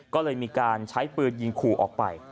ก็เลยมีการใช้ปืนยิงขู่ออกไป